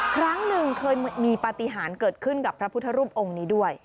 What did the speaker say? ครั้งหนึ่งเคยมีปฏิหารเกิดขึ้นกับพระพุทธรูปองค์นี้ด้วย